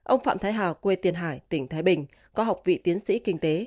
ông phạm thái hà quê tiền hải tỉnh thái bình có học vị tiến sĩ kinh tế